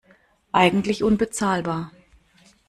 Eigentlich unbezahlbar.